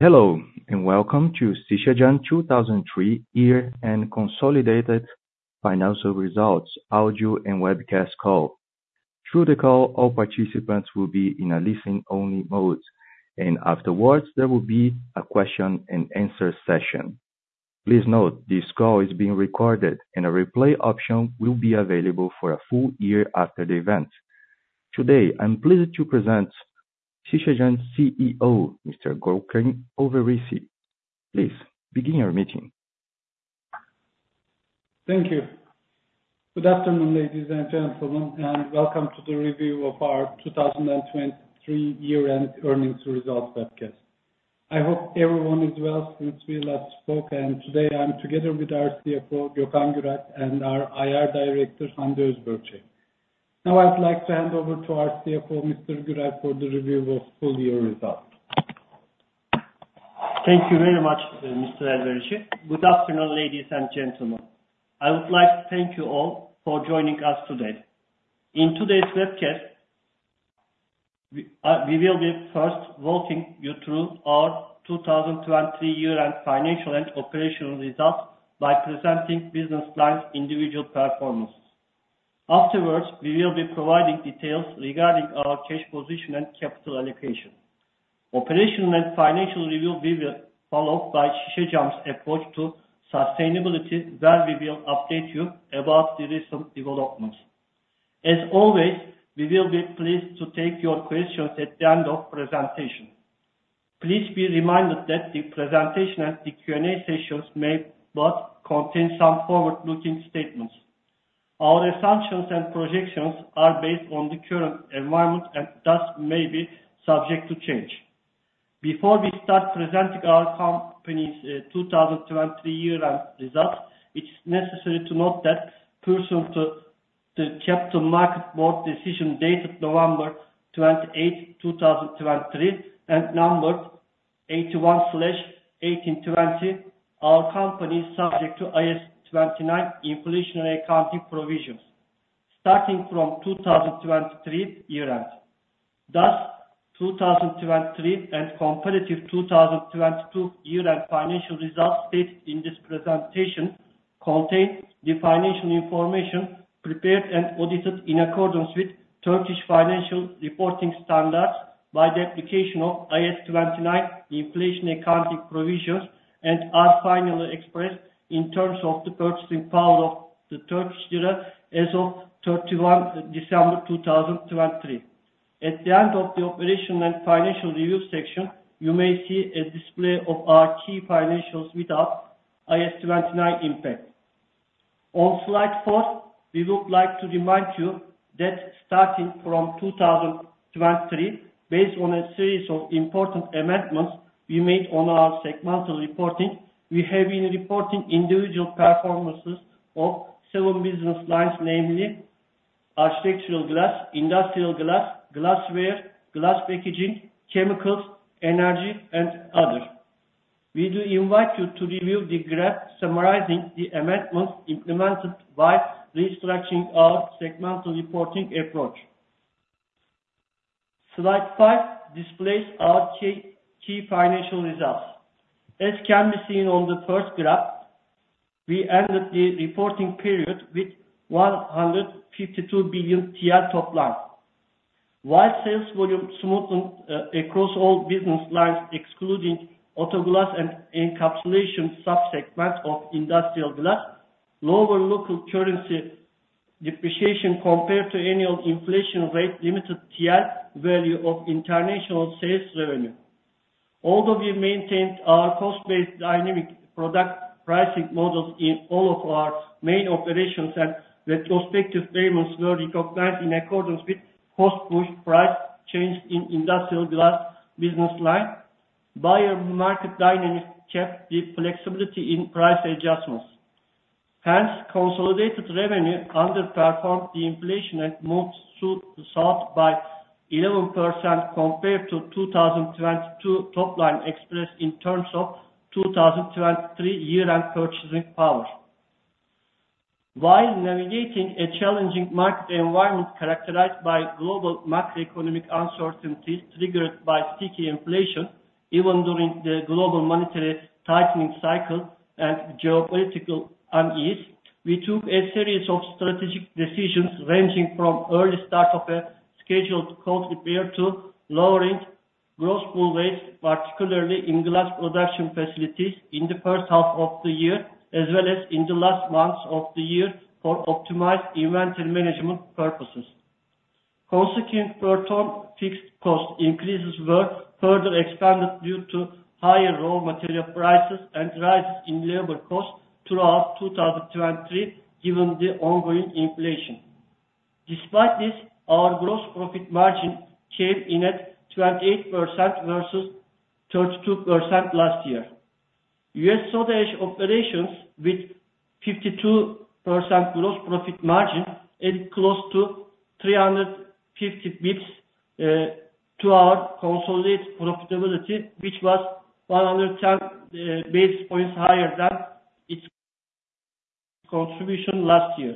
Hello and welcome to Şişecam 2023 year and consolidated financial results audio and webcast call. Throughout the call all participants will be in a listen-only mode, and afterwards there will be a question-and-answer session. Please note this call is being recorded and a replay option will be available for a full year after the event. Today I'm pleased to present Şişecam CEO Mr. Görkem Elverici. Please begin your meeting. Thank you. Good afternoon ladies and gentlemen, and welcome to the review of our 2023 year-end earnings results webcast. I hope everyone is well since we last spoke and today I'm together with our CFO Gökhan Güralp and our IR Director Hande Özbörçek. Now I'd like to hand over to our CFO Mr. Güralp for the review of full year results. Thank you very much, Mr. Elverici. Good afternoon, ladies and gentlemen. I would like to thank you all for joining us today. In today's webcast we will be first walking you through our 2023 year-end financial and operational results by presenting business line individual performance. Afterwards we will be providing details regarding our cash position and capital allocation. Operational and financial review we will follow by Şişecam’s approach to sustainability where we will update you about the recent developments. As always we will be pleased to take your questions at the end of presentation. Please be reminded that the presentation and the Q&A sessions may but contain some forward-looking statements. Our assumptions and projections are based on the current environment and thus may be subject to change. Before we start presenting our company's 2023 year-end results, it's necessary to note that pursuant to the Capital Markets Board decision dated November 28th, 2023 and numbered 81/1820, our company is subject to IAS 29 inflationary accounting provisions starting from 2023 year-end. Thus, 2023 and comparative 2022 year-end financial results stated in this presentation contain the financial information prepared and audited in accordance with Turkish financial reporting standards by the application of IAS 29 inflationary accounting provisions and are finally expressed in terms of the purchasing power of the Turkish lira as of 31 December 2023. At the end of the operational and financial review section, you may see a display of our key financials without IAS 29 impact. On slide four, we would like to remind you that starting from 2023, based on a series of important amendments we made on our segmental reporting, we have been reporting individual performances of seven business lines, namely Architectural Glass, Industrial Glass, Glassware, Glass Packaging, Chemicals, Energy, and other. We do invite you to review the graph summarizing the amendments implemented while restructuring our segmental reporting approach. Slide five displays our key financial results. As can be seen on the first graph, we ended the reporting period with 152 billion TL top line. While sales volume smoothened across all business lines excluding auto glass and encapsulation subsegment of Industrial Glass, lower local currency depreciation compared to annual inflation rate limited TRY value of international sales revenue. Although we maintained our cost-based dynamic product pricing models in all of our main operations, and retrospective payments were recognized in accordance with cost-push price change in Industrial Glass business line, buyer market dynamics kept the flexibility in price adjustments. Hence consolidated revenue underperformed the inflation and moved to the south by 11% compared to 2022 top line, expressed in terms of 2023 year-end purchasing power. While navigating a challenging market environment characterized by global macroeconomic uncertainties triggered by sticky inflation even during the global monetary tightening cycle and geopolitical unease, we took a series of strategic decisions ranging from early start of a scheduled cold repair to lowering gross pull rates particularly in glass production facilities in the first half of the year as well as in the last months of the year for optimized inventory management purposes. Consecutive production fixed cost increases were further expanded due to higher raw material prices and rises in labor costs throughout 2023 given the ongoing inflation. Despite this our gross profit margin came in at 28% versus 32% last year. U.S. soda ash operations with 52% gross profit margin and close to 350 basis points to our consolidated profitability which was 110 basis points higher than its contribution last year.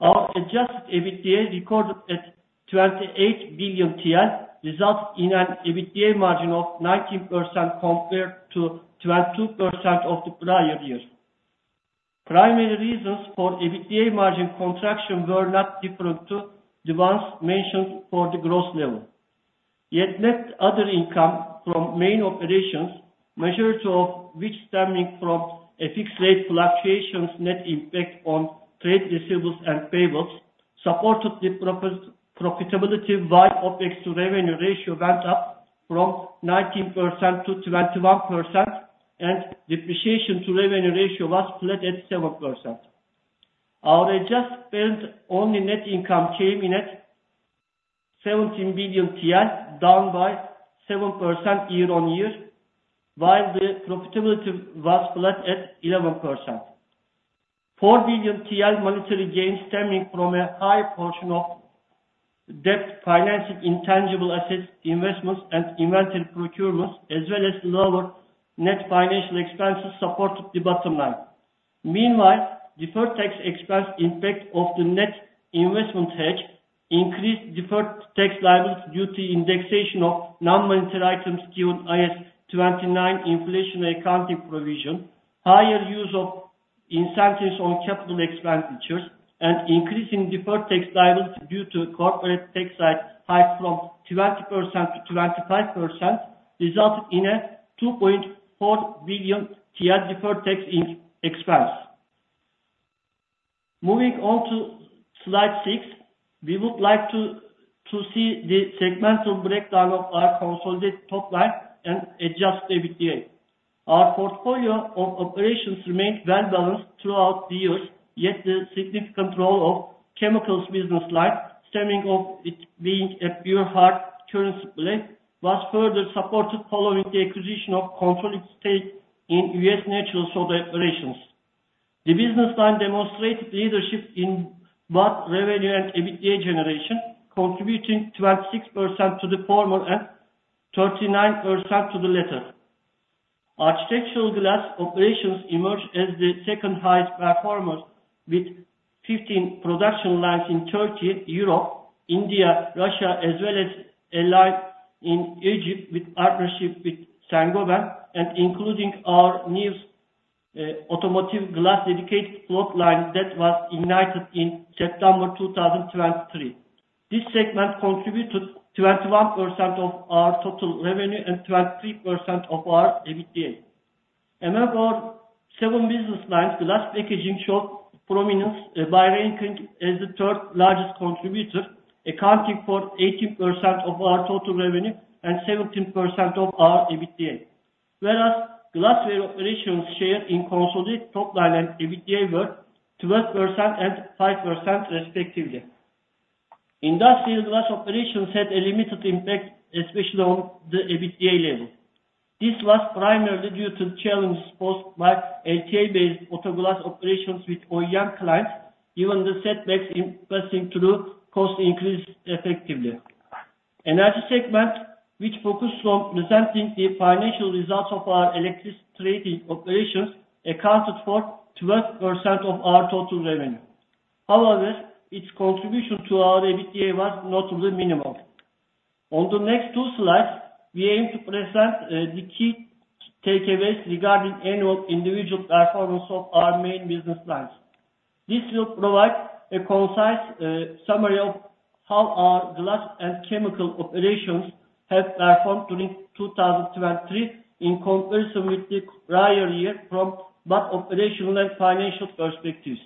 Our adjusted EBITDA recorded at 28 billion TL resulted in an EBITDA margin of 19% compared to 22% of the prior year. Primary reasons for EBITDA margin contraction were not different to the ones mentioned for the gross level. Net other income from main operations, most of which stemming from FX rate fluctuations net impact on trade receivables and payables, supported the profitability. EBITDA to revenue ratio went up from 19%-21% and depreciation to revenue ratio was flat at 7%. Our adjusted EBITDA came in at 17 billion TL down by 7% year-on-year while the profitability was flat at 11.4 billion TL. Monetary gain stemming from a high portion of debt financing intangible assets investments and inventory procurements as well as lower net financial expenses supported the bottom line. Meanwhile, deferred tax expense impact of the net investment hedge increased deferred tax liability due to indexation of non-monetary items given IAS 29 inflationary accounting provision, higher use of incentives on capital expenditures, and increasing deferred tax liability due to corporate tax rate hike from 20% to 25% resulted in a 2.4 billion deferred tax expense. Moving on to slide six, we would like to see the segmental breakdown of our consolidated top line and adjusted EBITDA. Our portfolio of operations remained well balanced throughout the years, yet the significant role of Chemicals business line stemming from it being a pure hard currency play was further supported following the acquisition of controlling stake in U.S. natural soda operations. The business line demonstrated leadership in both revenue and EBITDA generation, contributing 26% to the former and 39% to the latter. Architectural glass operations emerged as the second highest performers with 15 production lines in Turkey, Europe, India, Russia, as well as a line in Egypt with partnership with Saint-Gobain and including our new automotive glass dedicated float line that was ignited in September 2023. This segment contributed 21% of our total revenue and 23% of our EBITDA. Among our seven business lines, Glass Packaging showed prominence by ranking as the third largest contributor, accounting for 18% of our total revenue and 17% of our EBITDA. Whereas Glassware operations' share in consolidated top line and EBITDA were 12% and 5%, respectively. Industrial Glass operations had a limited impact, especially on the EBITDA level. This was primarily due to the challenges posed by LTA-based auto glass operations with OEM clients given the setbacks imposing through cost increase effectively. Energy segment, which focused on presenting the financial results of our electricity trading operations, accounted for 12% of our total revenue. However, its contribution to our EBITDA was not the minimal. On the next two slides, we aim to present the key takeaways regarding annual individual performance of our main business lines. This will provide a concise summary of how our glass and chemical operations have performed during 2023 in comparison with the prior year from both operational and financial perspectives.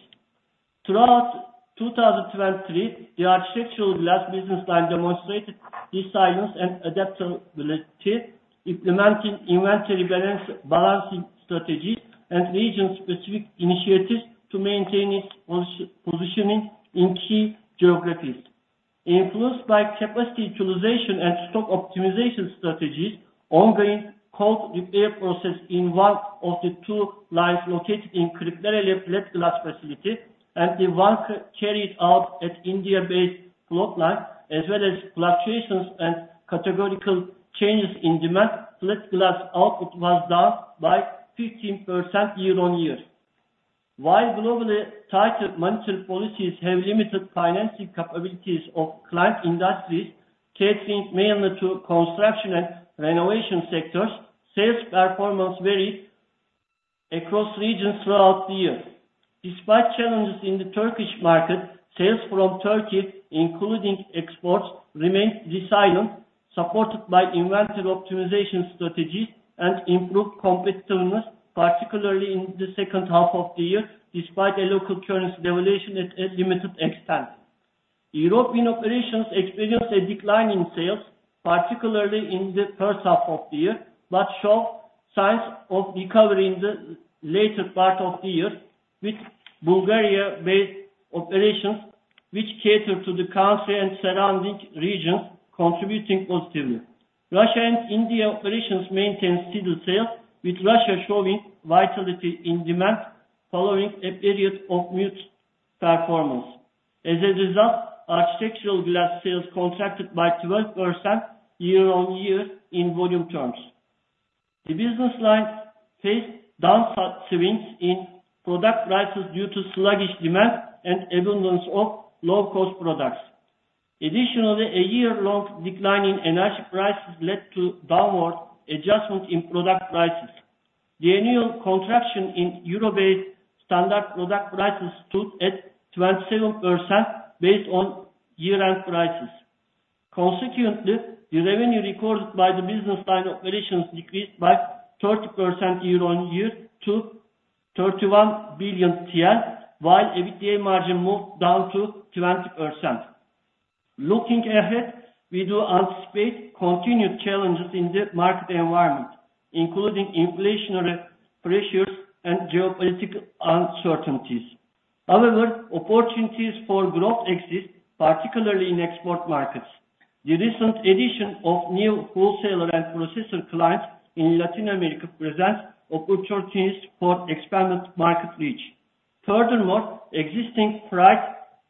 Throughout 2023, the Architectural Glass business line demonstrated resilience and adaptability, implementing inventory balance balancing strategies and region-specific initiatives to maintain its positioning in key geographies. Influenced by capacity utilization and stock optimization strategies, ongoing cold repair process in one of the two lines located in Kırklareli flat glass facility and the one carried out at India-based float line as well as fluctuations and categorical changes in demand, flat glass output was down by 15% year-on-year. While globally tighter monetary policies have limited financing capabilities of client industries catering mainly to construction and renovation sectors, sales performance varied across regions throughout the year. Despite challenges in the Turkish market, sales from Turkey including exports remained resilient supported by inventory optimization strategies and improved competitiveness particularly in the second half of the year despite a local currency devaluation at a limited extent. European operations experienced a decline in sales particularly in the first half of the year but showed signs of recovery in the later part of the year with Bulgaria-based operations which catered to the country and surrounding regions contributing positively. Russia and India operations maintained steady sales with Russia showing vitality in demand following a period of mute performance. As a result Architectural Glass sales contracted by 12% year-on-year in volume terms. The business line faced downswings in product prices due to sluggish demand and abundance of low-cost products. Additionally a year-long decline in energy prices led to downward adjustment in product prices. The annual contraction in EUR-based standard product prices stood at 27% based on year-end prices. Consequently the revenue recorded by the business line operations decreased by 30% year-on-year to 31 billion TL while EBITDA margin moved down to 20%. Looking ahead we do anticipate continued challenges in the market environment including inflationary pressures and geopolitical uncertainties. However opportunities for growth exist particularly in export markets. The recent addition of new wholesaler and processor clients in Latin America presents opportunities for expanded market reach. Furthermore existing price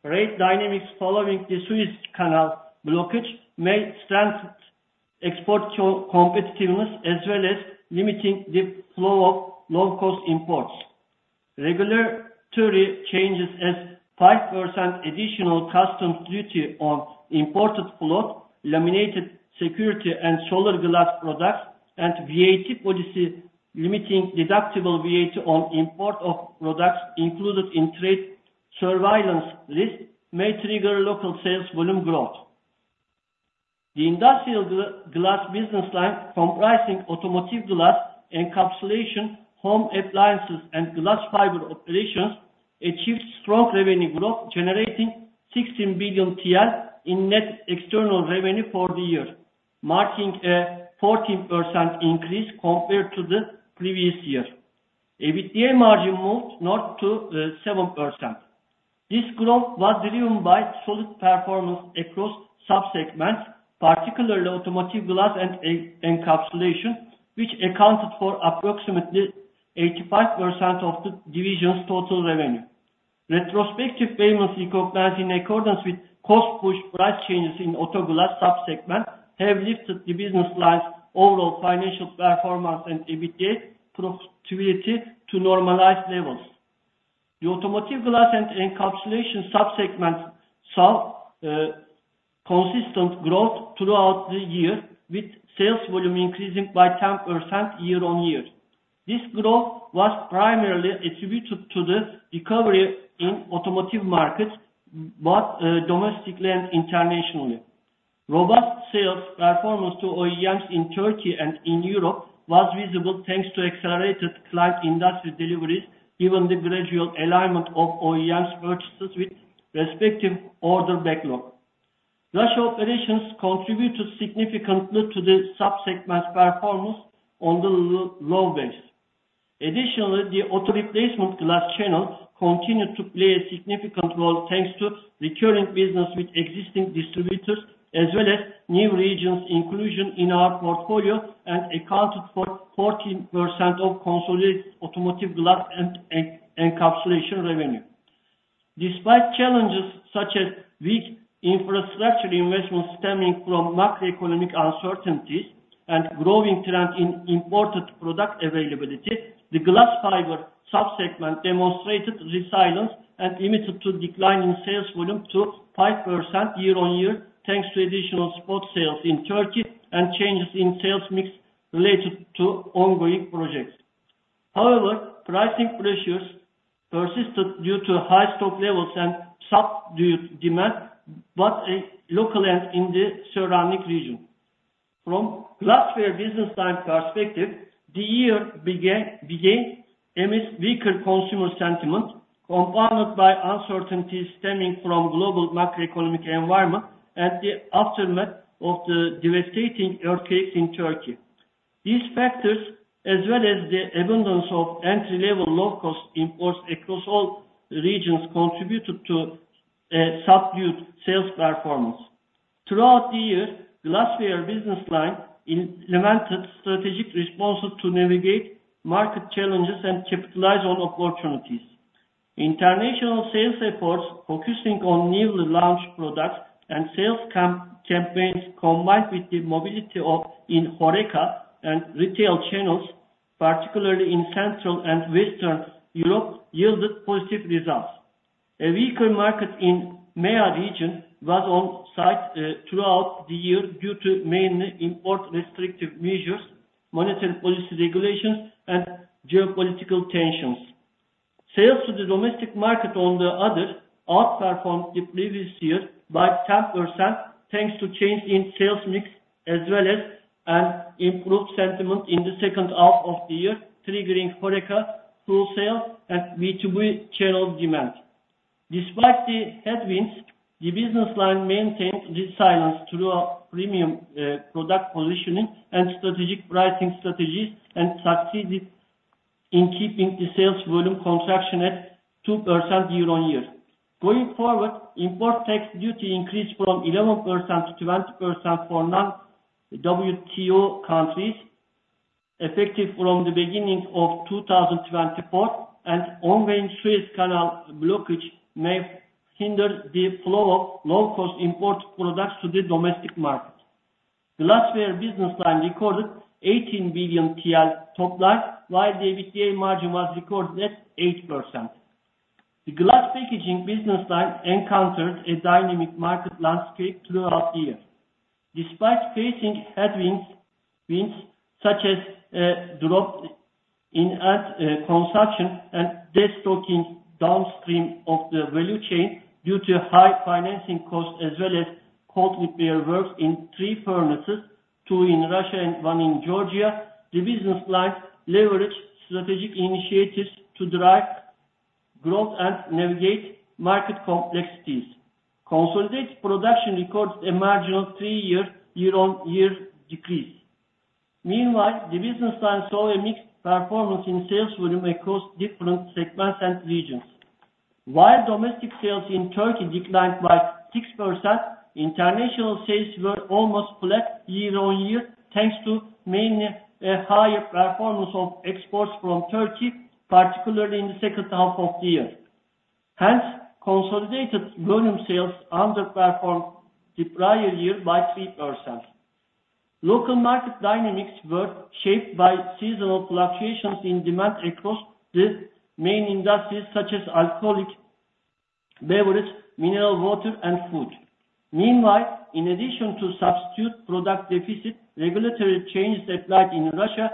rate dynamics following the Suez Canal blockage may strengthen export competitiveness as well as limiting the flow of low-cost imports. Regulatory changes as 5% additional customs duty on imported float laminated security and solar glass products and VAT policy limiting deductible VAT on import of products included in trade surveillance list may trigger local sales volume growth. The Industrial Glass business line comprising automotive glass encapsulation home appliances and Glass Fiber operations achieved strong revenue growth generating 16 billion TL in net external revenue for the year marking a 14% increase compared to the previous year. EBITDA margin moved north to 7%. This growth was driven by solid performance across subsegments, particularly Automotive Glass and encapsulation, which accounted for approximately 85% of the division's total revenue. Retrospective payments recognized in accordance with cost-push price changes in auto glass subsegment have lifted the business line's overall financial performance and EBITDA profitability to normalized levels. The Automotive Glass and encapsulation subsegments saw consistent growth throughout the year with sales volume increasing by 10% year-over-year. This growth was primarily attributed to the recovery in automotive markets both domestically and internationally. Robust sales performance to OEMs in Turkey and in Europe was visible thanks to accelerated client industry deliveries given the gradual alignment of OEMs purchases with respective order backlog. Russia operations contributed significantly to the subsegment's performance on the low base. Additionally, the auto replacement glass channel continued to play a significant role thanks to recurring business with existing distributors as well as new regions inclusion in our portfolio and accounted for 14% of consolidated automotive glass and encapsulation revenue. Despite challenges such as weak infrastructure investment stemming from macroeconomic uncertainties and growing trend in imported product availability, the Glass Fiber subsegment demonstrated resilience and limited to decline in sales volume to 5% year-on-year thanks to additional spot sales in Turkey and changes in sales mix related to ongoing projects. However, pricing pressures persisted due to high stock levels and subdued demand but a local end in the surrounding region. From Glassware business line perspective, the year began amid weaker consumer sentiment compounded by uncertainties stemming from global macroeconomic environment and the aftermath of the devastating earthquakes in Turkey. These factors as well as the abundance of entry-level low-cost imports across all regions contributed to a subdued sales performance. Throughout the year Glassware business line implemented strategic responses to navigate market challenges and capitalize on opportunities. International sales efforts focusing on newly launched products and sales campaigns combined with the mobility within HoReCa and retail channels particularly in Central and Western Europe yielded positive results. A weaker market in MEA region was in sight throughout the year due to mainly import restrictive measures monetary policy regulations and geopolitical tensions. Sales to the domestic market on the other hand outperformed the previous year by 10% thanks to change in sales mix as well as an improved sentiment in the second half of the year triggering HoReCa wholesale and B2B channel demand. Despite the headwinds the business line maintained resilience through premium product positioning and strategic pricing strategies and succeeded in keeping the sales volume contraction at 2% year-on-year. Going forward import tax duty increased from 11%-20% for non-WTO countries effective from the beginning of 2024 and ongoing Suez Canal blockage may hinder the flow of low-cost imported products to the domestic market. Glassware business line recorded 18 billion TL top line while the EBITDA margin was recorded at 8%. The Glass Packaging business line encountered a dynamic market landscape throughout the year. Despite facing headwinds such as a drop in end consumption and de-stocking downstream of the value chain due to high financing costs as well as cold repair works in three furnaces two in Russia and one in Georgia the business line leveraged strategic initiatives to drive growth and navigate market complexities. Consolidated production recorded a marginal 3% year-on-year decrease. Meanwhile the business line saw a mixed performance in sales volume across different segments and regions. While domestic sales in Turkey declined by 6%, international sales were almost flat year-on-year thanks to mainly a higher performance of exports from Turkey particularly in the second half of the year. Hence consolidated volume sales underperformed the prior year by 3%. Local market dynamics were shaped by seasonal fluctuations in demand across the main industries such as alcoholic beverage, mineral water, and food. Meanwhile in addition to substitute product deficit regulatory changes applied in Russia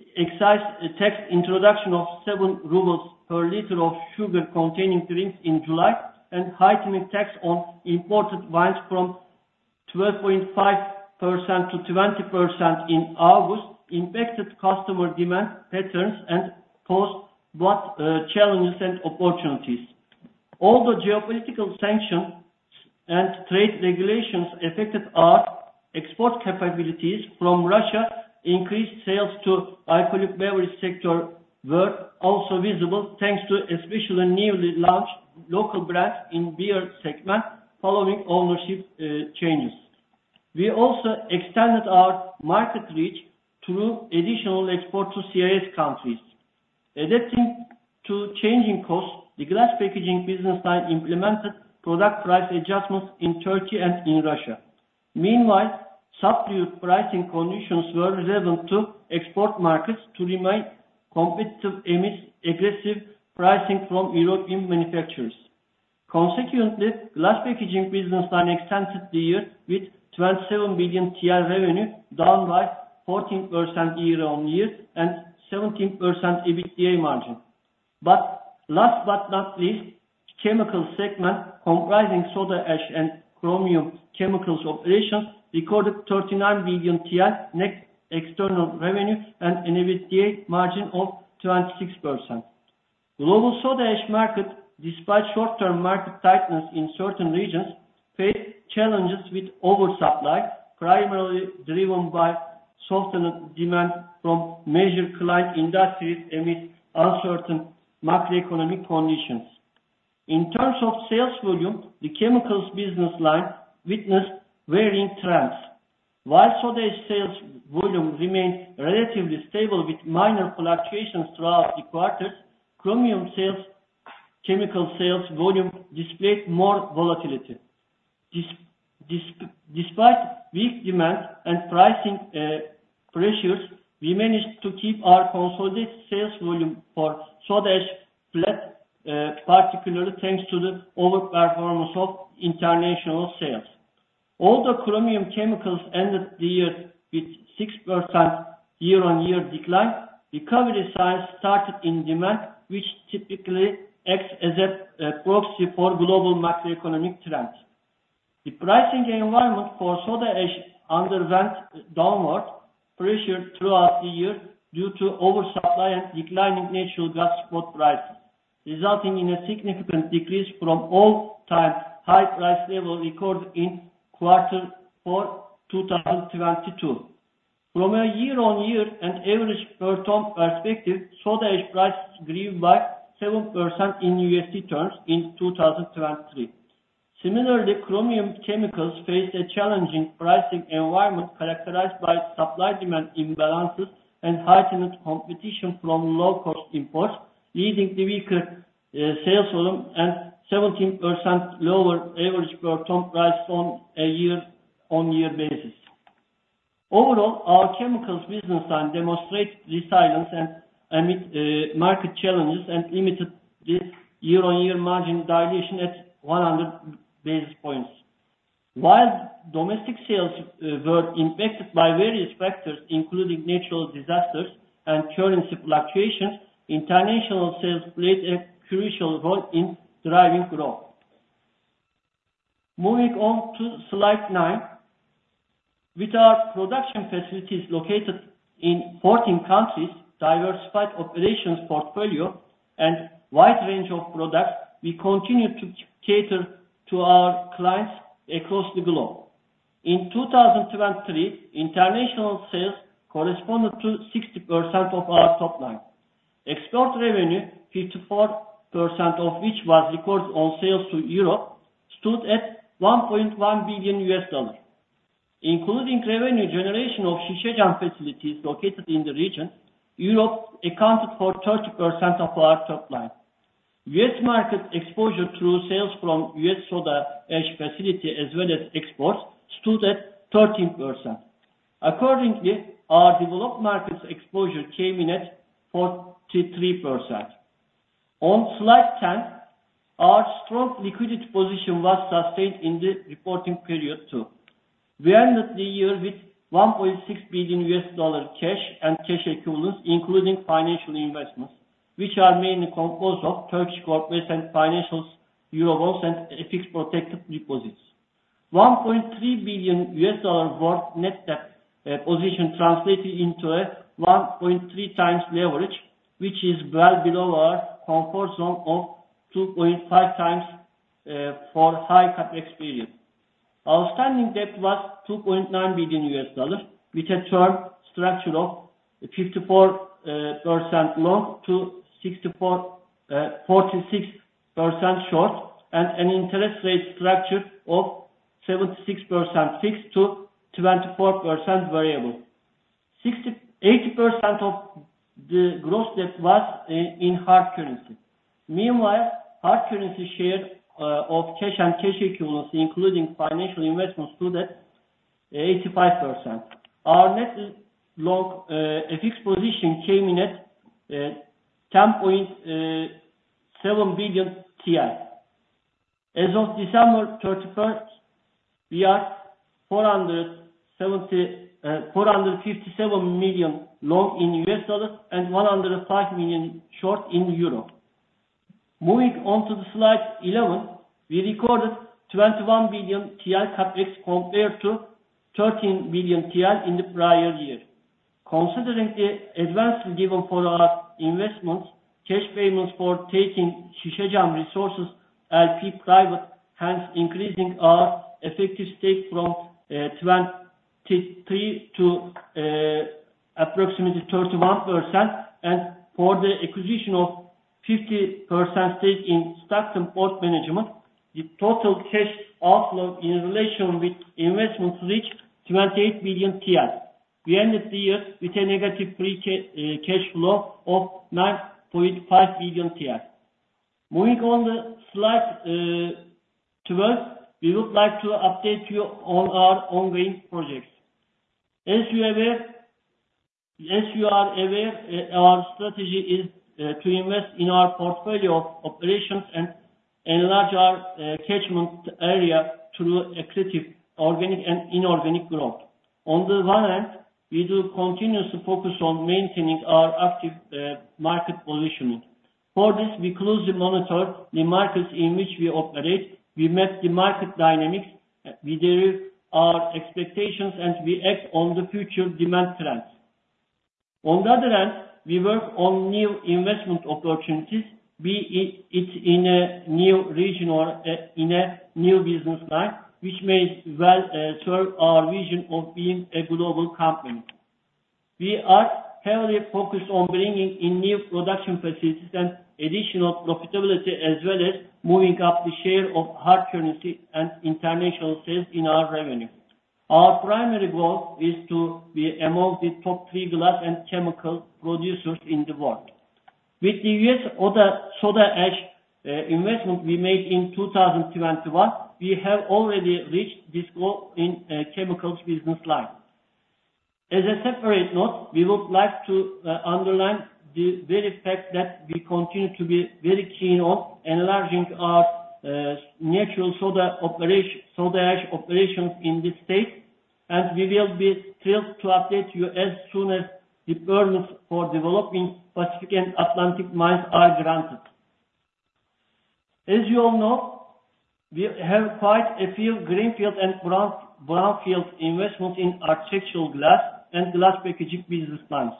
including excise tax introduction of 7 rubles per liter of sugar-containing drinks in July and heightening tax on imported wines from 12.5%-20% in August impacted customer demand patterns and posed both challenges and opportunities. Although geopolitical sanctions and trade regulations affected our export capabilities from Russia, increased sales to alcoholic beverage sector were also visible thanks to especially newly launched local brands in beer segment following ownership changes. We also extended our market reach through additional export to CIS countries. Adapting to changing costs, the Glass Packaging business line implemented product price adjustments in Turkey and in Russia. Meanwhile, subdued pricing conditions were relevant to export markets to remain competitive amidst aggressive pricing from European manufacturers. Consequently, the Glass Packaging business line ended the year with 27 billion TL revenue, down by 14% year-over-year and 17% EBITDA margin. But, last but not least, the chemical segment comprising soda ash and chromium Chemicals operations recorded 39 billion TL net external revenue and an EBITDA margin of 26%. Global soda ash market, despite short-term market tightness in certain regions, faced challenges with oversupply primarily driven by softening demand from major client industries amid uncertain macroeconomic conditions. In terms of sales volume, the Chemicals business line witnessed varying trends. While soda ash sales volume remained relatively stable with minor fluctuations throughout the quarters, chromium chemicals sales volume displayed more volatility. Despite weak demand and pricing pressures, we managed to keep our consolidated sales volume for soda ash flat, particularly thanks to the overperformance of international sales. Although chromium chemicals ended the year with 6% year-on-year decline, recovery signs started in demand, which typically acts as a proxy for global macroeconomic trends. The pricing environment for soda ash underwent downward pressure throughout the year due to oversupply and declining natural gas spot prices, resulting in a significant decrease from all-time high price level recorded in Q4 2022. From a year-on-year and average per ton perspective soda ash prices grew by 7% in USD terms in 2023. Similarly chromium chemicals faced a challenging pricing environment characterized by supply-demand imbalances and heightened competition from low-cost imports leading to weaker sales volume and 17% lower average per ton price on a year-on-year basis. Overall our chemicals business line demonstrated resilience and amid market challenges and limited the year-on-year margin dilation at 100 basis points. While domestic sales were impacted by various factors including natural disasters and currency fluctuations international sales played a crucial role in driving growth. Moving on to slide 9. With our production facilities located in 14 countries diversified operations portfolio and wide range of products we continue to cater to our clients across the globe. In 2023 international sales corresponded to 60% of our top line. Export revenue, 54% of which was recorded on sales to Europe, stood at $1.1 billion. Including revenue generation of Şişecam facilities located in the region, Europe accounted for 30% of our top line. US market exposure through sales from US soda ash facility as well as exports stood at 13%. Accordingly, our developed markets exposure came in at 43%. On slide 10, our strong liquidity position was sustained in the reporting period too. We ended the year with $1.6 billion cash and cash equivalents, including financial investments which are mainly composed of Turkish corporates and financials Eurobonds and FX protected deposits. $1.3 billion worth net debt position translated into a 1.3x leverage, which is well below our comfort zone of 2.5x for high CapEx experience. Outstanding debt was $2.9 billion with a term structure of 54% long to 46% short and an interest rate structure of 76% fixed to 24% variable. 80% of the gross debt was in hard currency. Meanwhile hard currency share of cash and cash equivalents including financial investments stood at 85%. Our net long FX position came in at 10.7 billion. As of December 31st we are $457 million long in US dollars and 105 million short in Euro. Moving on to Slide 11 we recorded 21 billion TL CapEx compared to 13 billion TL in the prior year. Considering the advance given for our investments cash payments for taking Şişecam Resources LP private hence increasing our effective stake from 23% to approximately 31% and for the acquisition of 50% stake in Stockton Port management the total cash outflow in relation with investments reached 28 billion. We ended the year with a negative free cash flow of 9.5 billion. Moving on the slide 12, we would like to update you on our ongoing projects. As you are aware, our strategy is to invest in our portfolio of operations and enlarge our catchment area through accretive organic and inorganic growth. On the one hand, we do continuously focus on maintaining our active market positioning. For this, we closely monitor the markets in which we operate, we map the market dynamics, we derive our expectations, and we act on the future demand trends. On the other hand, we work on new investment opportunities be it in a new region or in a new business line which may well serve our vision of being a global company. We are heavily focused on bringing in new production facilities and additional profitability as well as moving up the share of hard currency and international sales in our revenue. Our primary goal is to be among the top three glass and chemical producers in the world. With the U.S. soda ash investment we made in 2021 we have already reached this goal in chemicals business line. As a separate note we would like to underline the very fact that we continue to be very keen on enlarging our natural soda ash operations in the States and we will be thrilled to update you as soon as the permits for developing Pacific Soda and Atlantic Soda mines are granted. As you all know we have quite a few greenfield and brownfield investments in Architectural Glass and Glass Packaging business lines.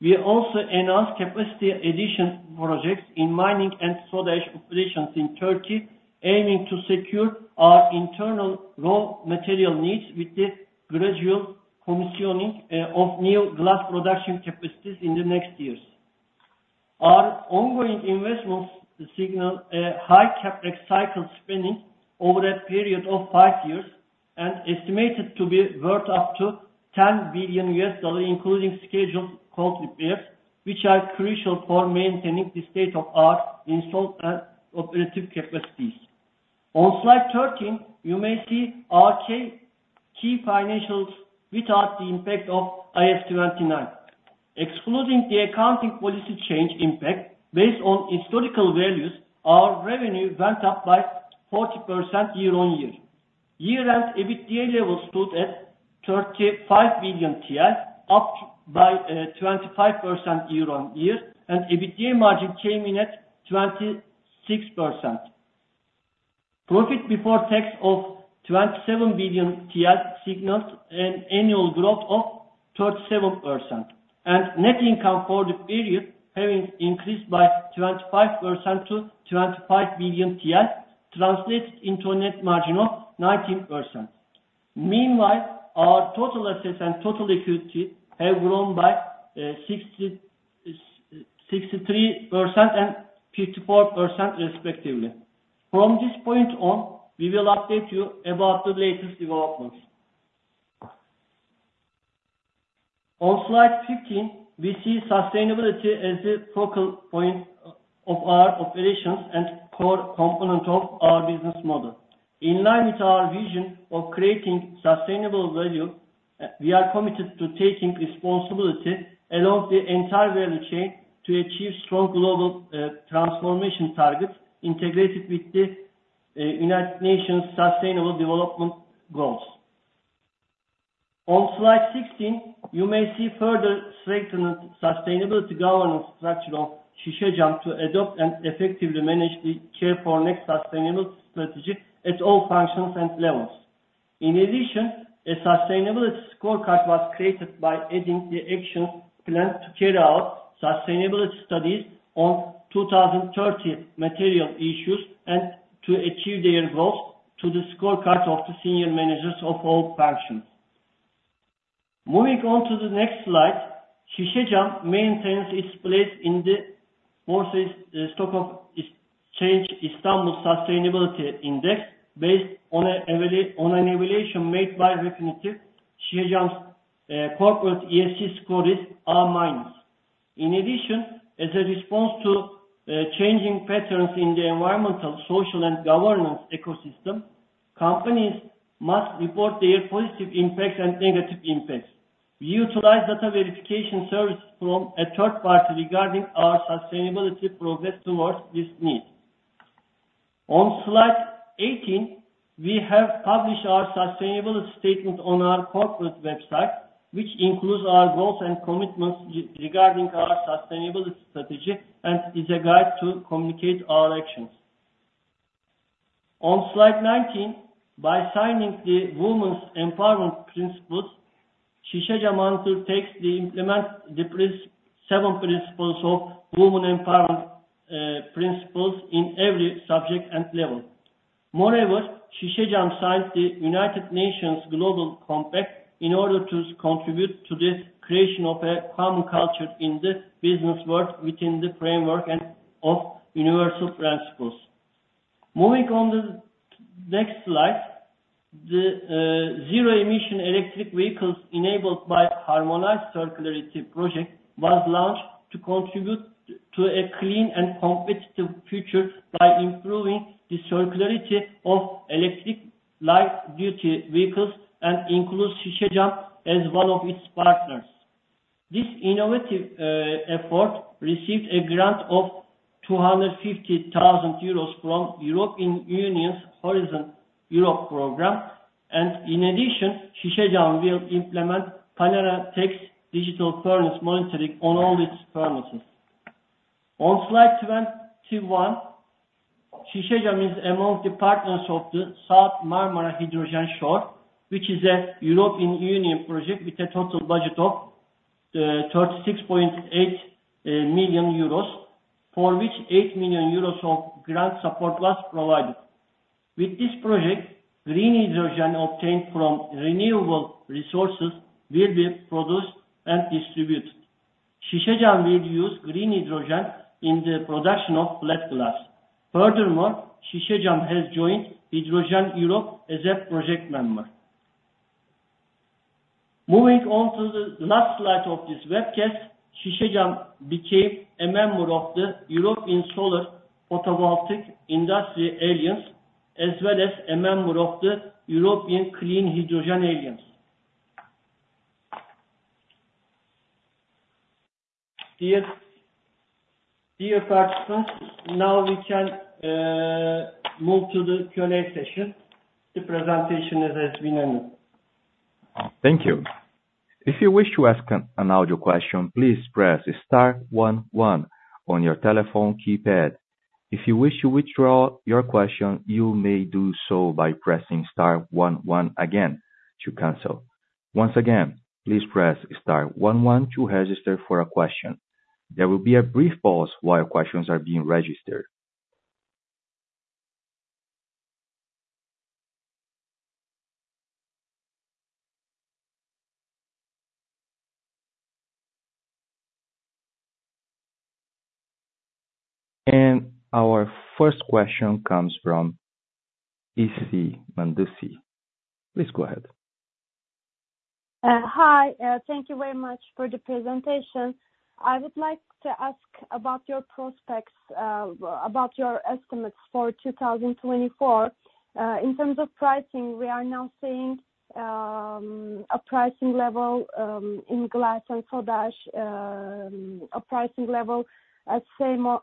We also announced capacity addition projects in mining and soda ash operations in Turkey aiming to secure our internal raw material needs with the gradual commissioning of new glass production capacities in the next years. Our ongoing investments signal a high CapEx spending over a period of 5 years and estimated to be worth up to $10 billion including scheduled cold repairs which are crucial for maintaining the state of our installed and operative capacities. On slide 13 you may see our key financials without the impact of IAS 29. Excluding the accounting policy change impact based on historical values our revenue went up by 40% year-on-year. Year-end EBITDA level stood at 35 billion TL up by 25% year-on-year and EBITDA margin came in at 26%. Profit before tax of 27 billion TL signaled an annual growth of 37% and net income for the period having increased by 25% to 25 billion TL translated into a net margin of 19%. Meanwhile our total assets and total equity have grown by 63% and 54% respectively. From this point on we will update you about the latest developments. On slide 15 we see sustainability as the focal point of our operations and core component of our business model. In line with our vision of creating sustainable value we are committed to taking responsibility along the entire value chain to achieve strong global transformation targets integrated with the United Nations Sustainable Development Goals. On slide 16 you may see further strengthened sustainability governance structure of Şişecam to adopt and effectively manage the Care for Next sustainability strategy at all functions and levels. In addition, a sustainability scorecard was created by adding the actions planned to carry out sustainability studies on 2030 material issues and to achieve their goals to the scorecard of the senior managers of all functions. Moving on to the next slide, Şişecam maintains its place in the Borsa Istanbul Sustainability Index based on an evaluation made by Refinitiv. Şişecam’s corporate ESG scores are minus. In addition, as a response to changing patterns in the environmental social and governance ecosystem, companies must report their positive impacts and negative impacts. We utilize data verification services from a third party regarding our sustainability progress towards this need. On slide 18, we have published our sustainability statement on our corporate website, which includes our goals and commitments regarding our sustainability strategy and is a guide to communicate our actions. On slide 19, by signing the Women's Empowerment Principles, Şişecam undertakes to implement the seven principles of Women's Empowerment Principles in every subject and level. Moreover, Şişecam signed the United Nations Global Compact in order to contribute to the creation of a common culture in the business world within the framework of universal principles. Moving on to the next slide, the zero-emission electric vehicles enabled by Harmonized Circularity Project was launched to contribute to a clean and competitive future by improving the circularity of electric light-duty vehicles and includes Şişecam as one of its partners. This innovative effort received a grant of 250,000 euros from the European Union's Horizon Europe program and, in addition, Şişecam will implement PaneraTech's digital furnace monitoring on all its furnaces. On slide 21, Şişecam is among the partners of the South Marmara Hydrogen Shore, which is a European Union project with a total budget of 36.8 million euros, for which 8 million euros of grant support was provided. With this project, green hydrogen obtained from renewable resources will be produced and distributed. Şişecam will use green hydrogen in the production of flat glass. Furthermore, Şişecam has joined Hydrogen Europe as a project member. Moving on to the last slide of this webcast, Şişecam became a member of the European Solar Photovoltaic Industry Alliance as well as a member of the European Clean Hydrogen Alliance. Dear participants, now we can move to the Q&A session. The presentation has been ended. Thank you. If you wish to ask an audio question please press star one one on your telephone keypad. If you wish to withdraw your question you may do so by pressing star one one again to cancel. Once again please press star one one to register for a question. There will be a brief pause while questions are being registered. Our first question comes from Ece Mandacı. Please go ahead. Hi, thank you very much for the presentation. I would like to ask about your prospects about your estimates for 2024. In terms of pricing, we are now seeing a pricing level in glass and soda ash, a pricing level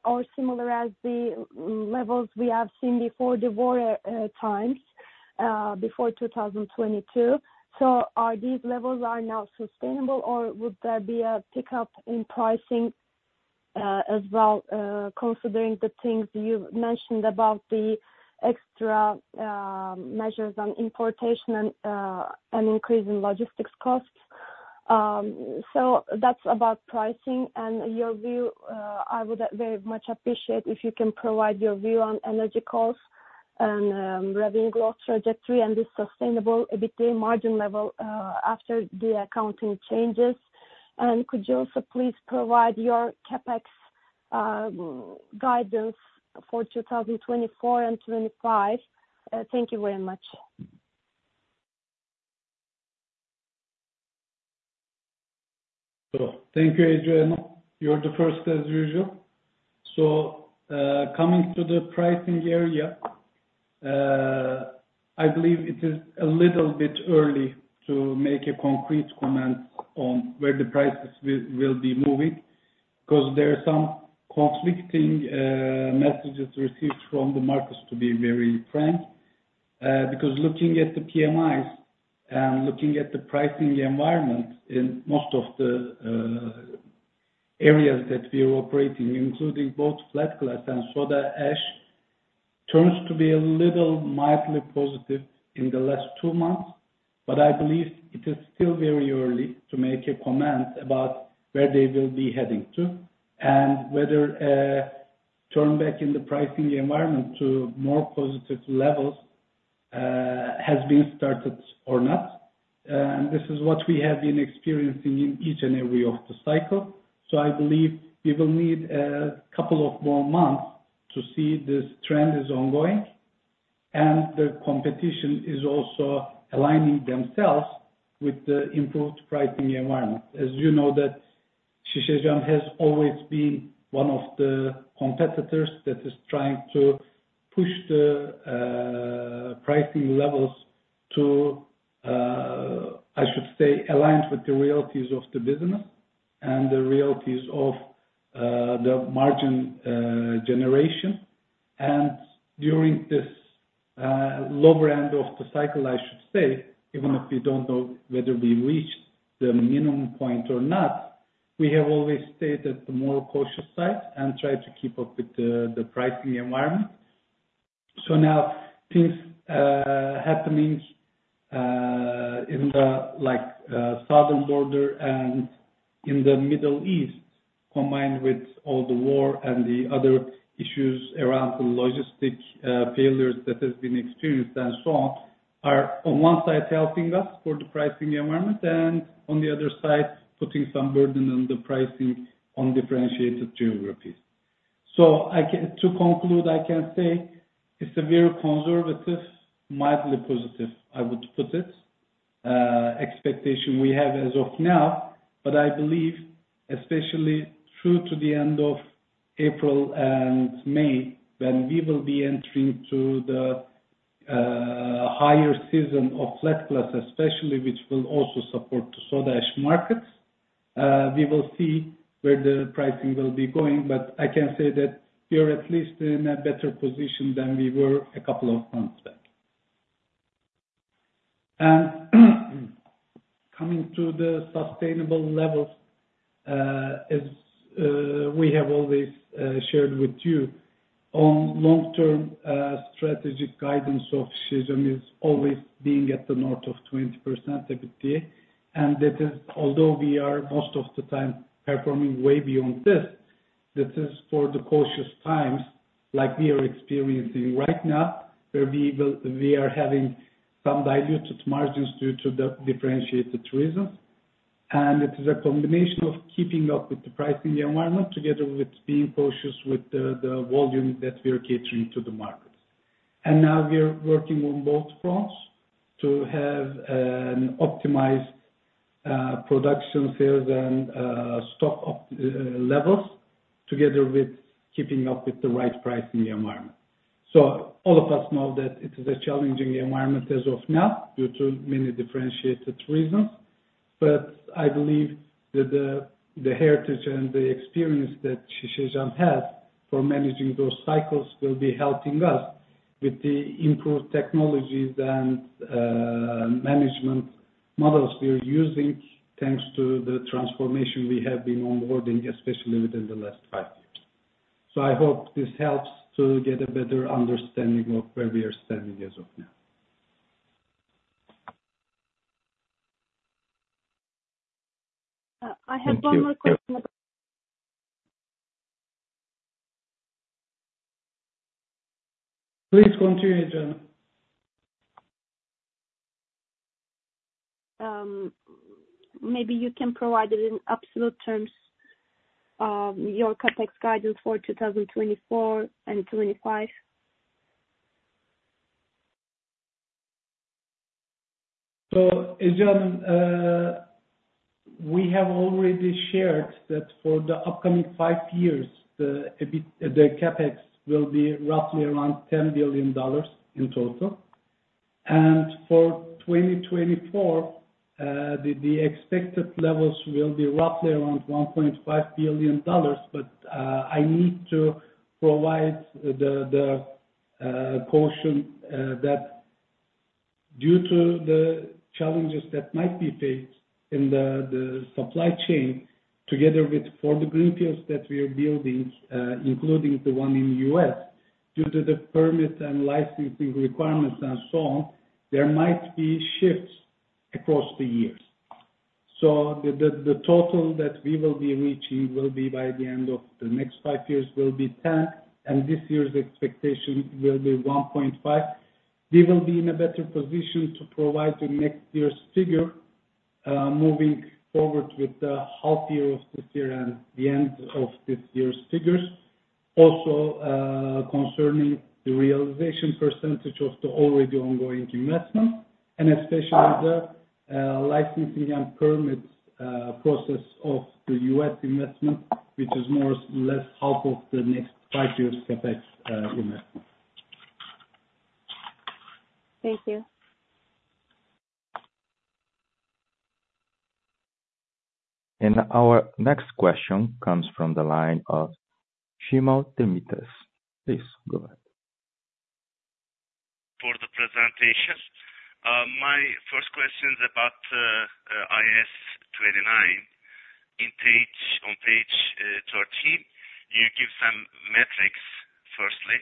or similar as the levels we have seen before the war times before 2022. So, are these levels now sustainable or would there be a pickup in pricing as well considering the things you mentioned about the extra measures on importation and increasing logistics costs? So that's about pricing and your view. I would very much appreciate if you can provide your view on energy costs and revenue growth trajectory and the sustainable EBITDA margin level after the accounting changes. Could you also please provide your CapEx guidance for 2024 and 2025? Thank you very much. Thank you, Adrien. You're the first as usual. So coming to the pricing area, I believe it is a little bit early to make a concrete comment on where the prices will be moving because there are some conflicting messages received from the markets to be very frank. Because looking at the PMIs and looking at the pricing environment in most of the areas that we're operating including both flat glass and soda ash turns to be a little mildly positive in the last two months but I believe it is still very early to make a comment about where they will be heading to and whether a turnback in the pricing environment to more positive levels has been started or not. And this is what we have been experiencing in each and every of the cycles. So I believe we will need a couple of more months to see this trend is ongoing and the competition is also aligning themselves with the improved pricing environment. As you know that Şişecam has always been one of the competitors that is trying to push the pricing levels to I should say aligned with the realities of the business and the realities of the margin generation. During this lower end of the cycle I should say even if we don't know whether we reached the minimum point or not we have always stayed at the more cautious side and tried to keep up with the pricing environment. So now things happening in the southern border and in the Middle East combined with all the war and the other issues around the logistic failures that has been experienced and so on are on one side helping us for the pricing environment and on the other side putting some burden on the pricing on differentiated geographies. So to conclude I can say it's a very conservative mildly positive I would put it expectation we have as of now but I believe especially through to the end of April and May when we will be entering to the higher season of flat glass especially which will also support the soda ash markets we will see where the pricing will be going but I can say that we are at least in a better position than we were a couple of months back. Coming to the sustainable levels as we have always shared with you on long-term strategic guidance of Şişecam is always being at the north of 20% EBITDA and that is although we are most of the time performing way beyond this that is for the cautious times like we are experiencing right now where we are having some diluted margins due to the differentiated reasons. It is a combination of keeping up with the pricing environment together with being cautious with the volume that we are catering to the markets. Now we're working on both fronts to have an optimized production sales and stock levels together with keeping up with the right pricing environment. All of us know that it is a challenging environment as of now due to many differentiated reasons but I believe that the heritage and the experience that Şişecam has for managing those cycles will be helping us with the improved technologies and management models we're using thanks to the transformation we have been onboarding especially within the last five years. So I hope this helps to get a better understanding of where we are standing as of now. I have one more question. Please continue, Adrien. Maybe you can provide it in absolute terms your CapEx guidance for 2024 and 2025? So, Adrien, we have already shared that for the upcoming 5 years the CapEx will be roughly around $10 billion in total. For 2024 the expected levels will be roughly around $1.5 billion, but I need to provide the caution that due to the challenges that might be faced in the supply chain together with for the greenfields that we are building including the one in the U.S. due to the permit and licensing requirements and so on there might be shifts across the years. So the total that we will be reaching will be by the end of the next 5 years will be $10 billion and this year's expectation will be $1.5 billion. We will be in a better position to provide the next year's figure moving forward with the half year of this year and the end of this year's figures also concerning the realization percentage of the already ongoing investment and especially the licensing and permits process of the U.S. investment which is more or less half of the next five years CapEx investment. Thank you. Our next question comes from the line of Cemal Demirtaş. Please go ahead. For the presentation. My first question is about IAS 29. On page 13, you give some metrics firstly.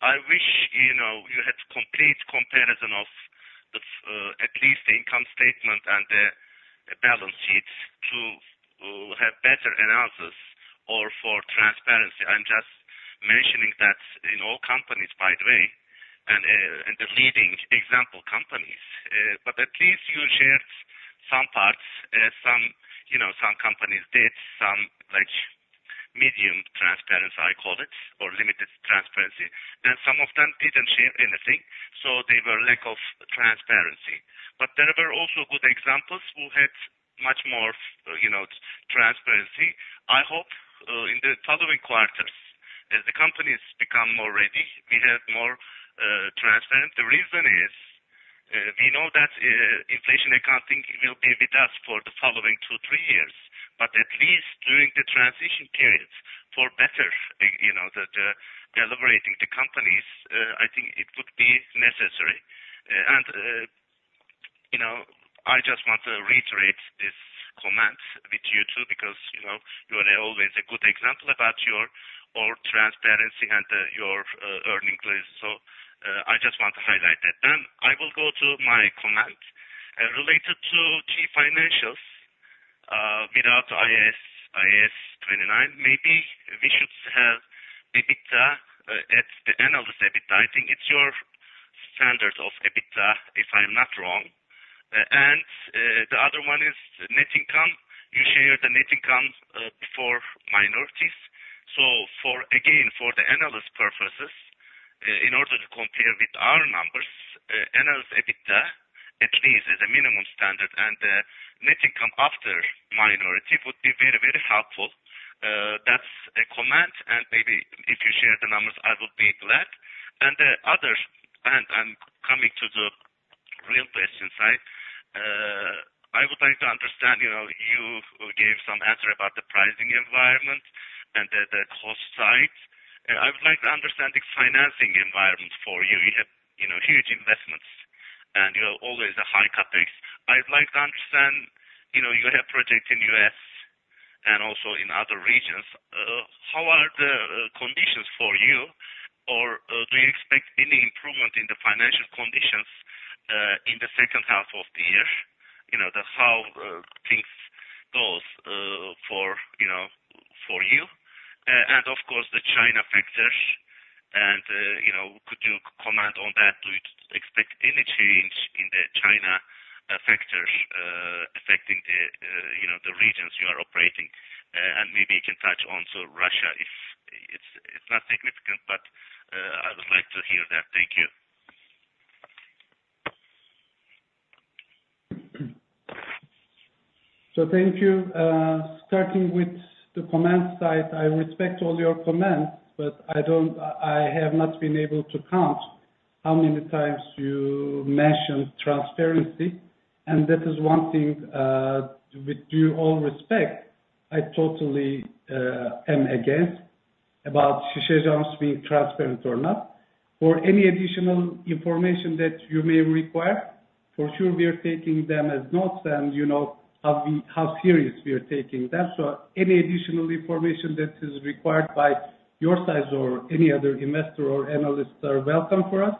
I wish you had complete comparison of at least the income statement and the balance sheet to have better analysis or for transparency. I'm just mentioning that in all companies by the way and the leading example companies. But at least you shared some parts some companies did some medium transparency I call it or limited transparency and some of them didn't share anything so there were lack of transparency. But there were also good examples who had much more transparency. I hope in the following quarters as the companies become more ready we have more transparency. The reason is we know that inflation accounting will be with us for the following two, three years but at least during the transition period for better elaborating the companies I think it would be necessary. I just want to reiterate this comment with you two because you are always a good example about your transparency and your earnings, so I just want to highlight that. Then I will go to my comment related to financials without IAS 29. Maybe we should have EBITDA at the analyst EBITDA. I think it's your standard of EBITDA if I'm not wrong. And the other one is net income. You share the net income before minorities. So again for the analyst purposes in order to compare with our numbers, analyst EBITDA at least as a minimum standard and the net income after minority would be very, very helpful. That's a comment and maybe if you share the numbers I would be glad. I'm coming to the real questions. I would like to understand. You gave some answer about the pricing environment and the cost side. I would like to understand the financing environment for you. You have huge investments and you have always a high CapEx. I would like to understand. You have projects in the U.S. and also in other regions. How are the conditions for you or do you expect any improvement in the financial conditions in the second half of the year? How things go for you? And of course the China factor and could you comment on that? Do you expect any change in the China factor affecting the regions you are operating? And maybe you can touch on Russia if it's not significant but I would like to hear that. Thank you. So thank you. Starting with the comments side, I respect all your comments, but I have not been able to count how many times you mentioned transparency, and that is one thing with all due respect I totally am against about Şişecam's being transparent or not. For any additional information that you may require, for sure we are taking them as notes and how serious we are taking them. So any additional information that is required by your side or any other investor or analyst are welcome for us,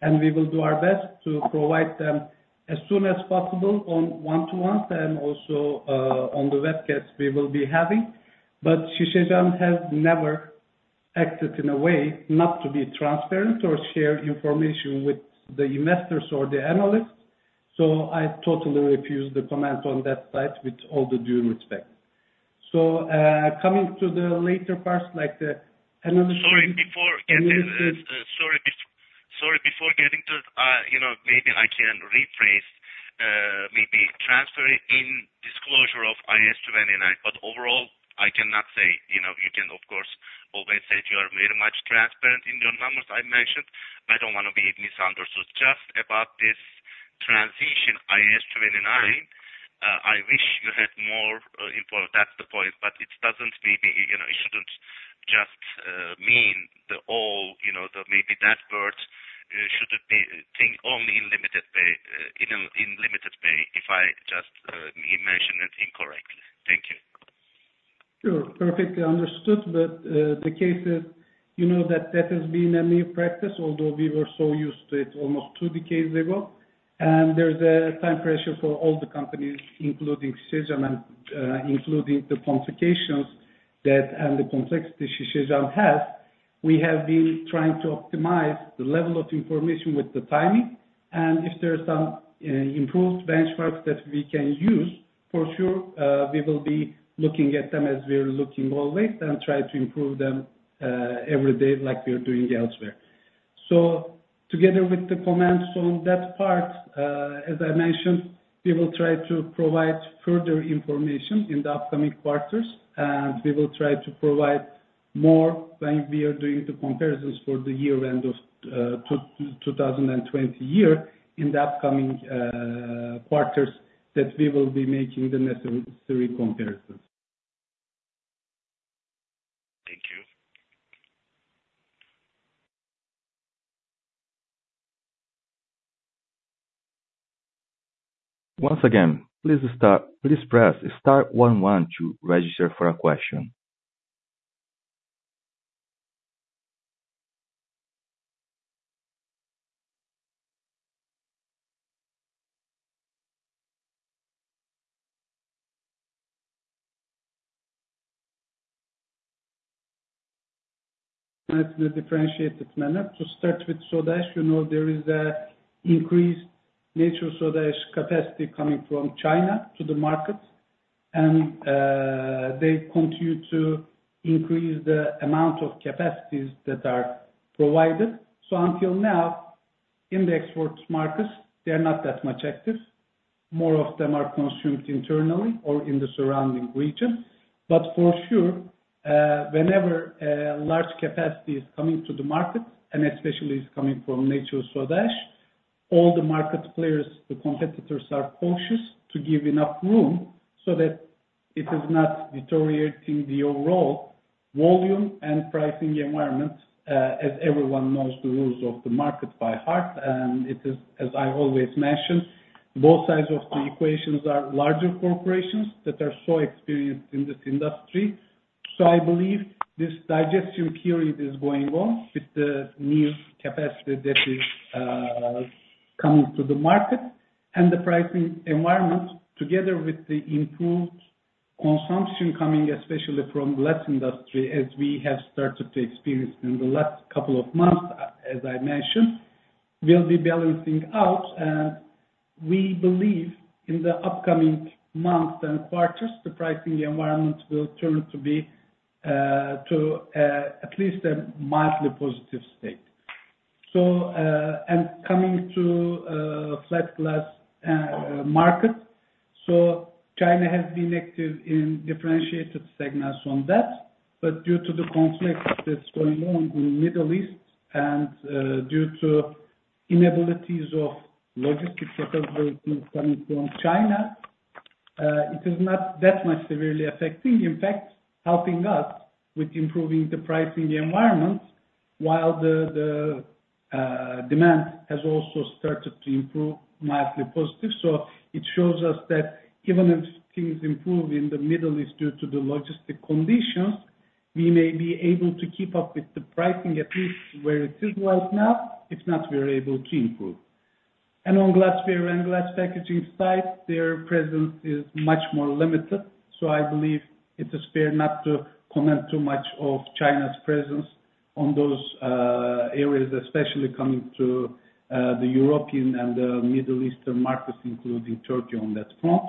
and we will do our best to provide them as soon as possible on one-to-ones and also on the webcasts we will be having. But Şişecam has never acted in a way not to be transparent or share information with the investors or the analysts, so I totally refuse the comment on that side with all the due respect. Coming to the later parts like the analyst. Sorry, before getting to, maybe I can rephrase. Maybe transfer it in disclosure of IAS 29, but overall I cannot say. You can of course always say you are very much transparent in your numbers I mentioned. I don't want to be misunderstood. Just about this transition IAS 29, I wish you had more info. That's the point, but it doesn't, maybe it shouldn't just mean the all. Maybe that word shouldn't be thing only in limited way, if I just mentioned it incorrectly. Thank you. Sure. Perfectly understood, but the case is that that has been a new practice although we were so used to it almost two decades ago. And there's a time pressure for all the companies including Şişecam and including the complications that and the complexity Şişecam has. We have been trying to optimize the level of information with the timing and if there are some improved benchmarks that we can use for sure we will be looking at them as we are looking always and try to improve them every day like we are doing elsewhere. So together with the comments on that part as I mentioned we will try to provide further information in the upcoming quarters and we will try to provide more when we are doing the comparisons for the year-end of 2020 year in the upcoming quarters that we will be making the necessary comparisons. Thank you. Once again, please press star 11 to register for a question. That's the differentiated management. To start with soda ash, there is an increased nature of soda ash capacity coming from China to the markets, and they continue to increase the amount of capacities that are provided. So until now in the export markets they are not that much active. More of them are consumed internally or in the surrounding region. But for sure whenever large capacity is coming to the markets and especially it's coming from natural soda ash, all the market players, the competitors, are cautious to give enough room so that it is not deteriorating the overall volume and pricing environment as everyone knows the rules of the market by heart. And it is as I always mentioned both sides of the equations are larger corporations that are so experienced in this industry. So I believe this digestion period is going on with the new capacity that is coming to the markets and the pricing environment together with the improved consumption coming especially from glass industry as we have started to experience in the last couple of months as I mentioned will be balancing out. And we believe in the upcoming months and quarters the pricing environment will turn to be to at least a mildly positive state. And coming to flat glass markets, so China has been active in differentiated segments on that but due to the conflict that's going on in the Middle East and due to inabilities of logistics capabilities coming from China it is not that much severely affecting. In fact helping us with improving the pricing environment while the demand has also started to improve mildly positive. So it shows us that even if things improve in the Middle East due to the logistic conditions, we may be able to keep up with the pricing at least where it is right now, if not we are able to improve. On Glassware and Glass Packaging side their presence is much more limited so I believe it is fair not to comment too much of China's presence on those areas especially coming to the European and the Middle Eastern markets including Turkey on that front.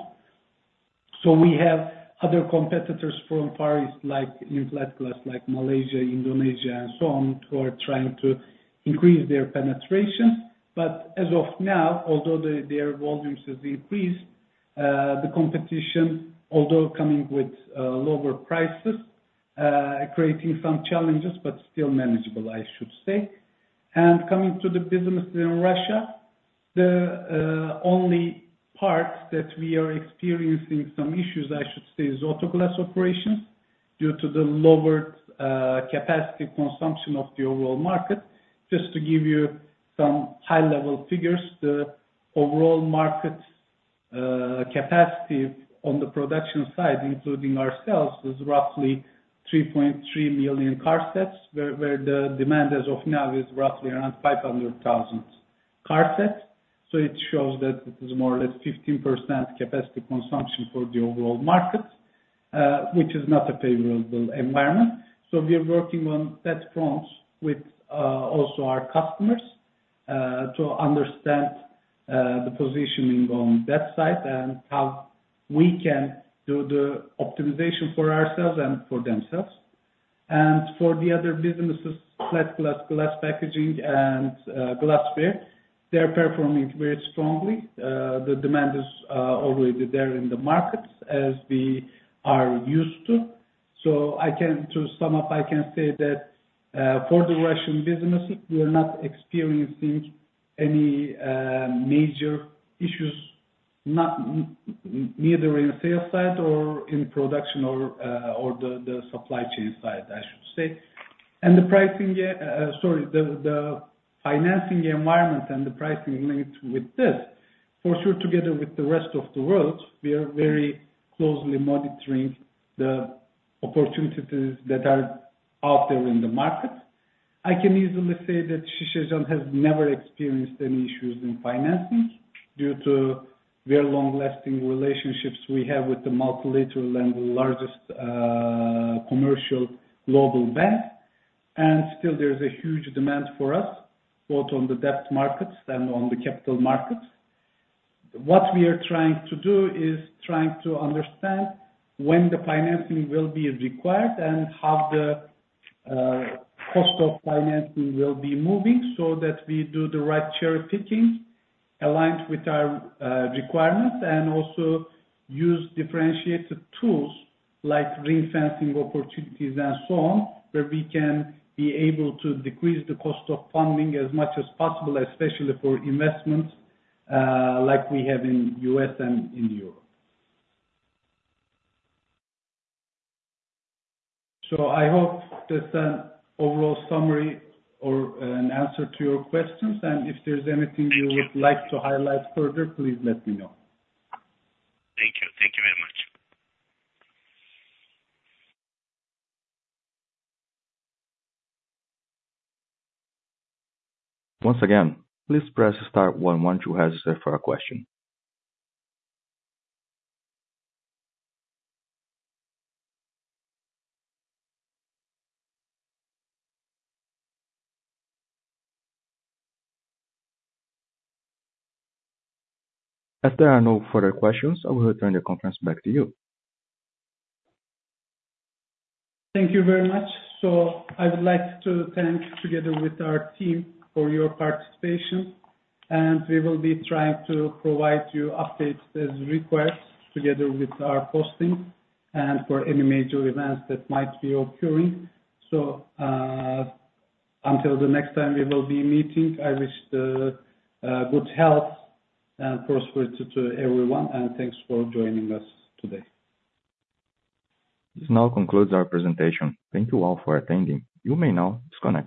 So we have other competitors from Asia like in flat glass like Malaysia, Indonesia and so on who are trying to increase their penetration. But as of now although their volumes have increased the competition although coming with lower prices creating some challenges but still manageable I should say. Coming to the business in Russia, the only part that we are experiencing some issues, I should say, is automotive glass operations due to the lowered capacity consumption of the overall market. Just to give you some high-level figures, the overall market capacity on the production side including ourselves is roughly 3.3 million car sets where the demand as of now is roughly around 500,000 car sets. So it shows that it is more or less 15% capacity consumption for the overall markets which is not a favorable environment. So we are working on that front with also our customers to understand the positioning on that side and how we can do the optimization for ourselves and for themselves. For the other businesses, flat glass, Glass Packaging and Glassware, they are performing very strongly. The demand is already there in the markets as we are used to. So, to sum up, I can say that for the Russian businesses we are not experiencing any major issues neither in sales side or in production or the supply chain side, I should say. The pricing, sorry, the financing environment and the pricing linked with this for sure together with the rest of the world we are very closely monitoring the opportunities that are out there in the markets. I can easily say that Şişecam has never experienced any issues in financing due to very long-lasting relationships we have with the multilateral and the largest commercial global banks. Still there's a huge demand for us both on the debt markets and on the capital markets. What we are trying to do is trying to understand when the financing will be required and how the cost of financing will be moving so that we do the right cherry picking aligned with our requirements and also use differentiated tools like ring-fencing opportunities and so on where we can be able to decrease the cost of funding as much as possible especially for investments like we have in the US and in Europe. So I hope that's an overall summary or an answer to your questions and if there's anything you would like to highlight further please let me know. Thank you. Thank you very much. Once again, please press star 11 to register for a question. If there are no further questions, I will return the conference back to you. Thank you very much. I would like to thank, together with our team, for your participation, and we will be trying to provide you updates as requests, together with our postings, and for any major events that might be occurring. Until the next time we will be meeting, I wish good health and prosperity to everyone, and thanks for joining us today. This now concludes our presentation. Thank you all for attending. You may now disconnect.